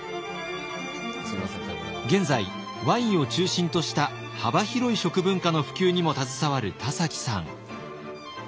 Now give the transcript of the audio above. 現在ワインを中心とした幅広い食文化の普及にも携わる田崎さん。